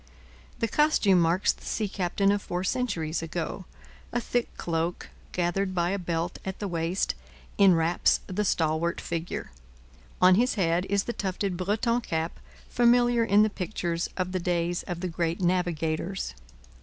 The costume marks the sea captain of four centuries ago. A thick cloak, gathered by a belt at the waist, enwraps the stalwart figure. On his head is the tufted Breton cap familiar in the pictures of the days of the great navigators.